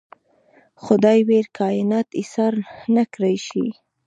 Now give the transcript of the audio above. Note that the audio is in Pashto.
د خدای ویړ کاینات ایسار نکړای شي.